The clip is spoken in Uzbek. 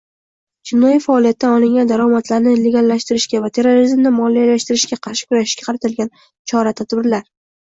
jinoiy faoliyatdan olingan daromadlarni legallashtirishga va terrorizmni moliyalashtirishga qarshi kurashishga qaratilgan chora-tadbirlar